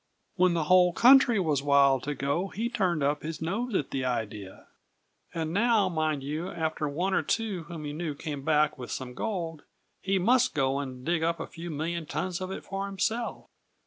When the whole country was wild to go he turned up his nose at the idea. And now, mind you, after one or two whom he knew came back with some gold, he must go and dig up a few million tons of it for himself!